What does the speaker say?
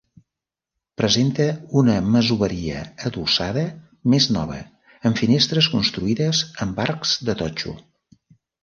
Presenta una masoveria adossada, més nova, amb finestres construïdes amb arcs de totxo.